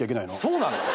そうなの？